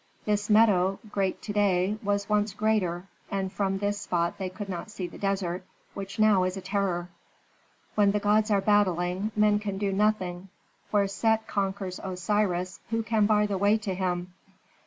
This meadow, great to day, was once greater, and from this spot they could not see the desert, which now is a terror. "When the gods are battling, men can do nothing; where Set conquers Osiris, who can bar the way to him?"